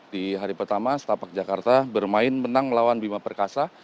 di hari pertama setapak jakarta bermain menang melawan bima perkasa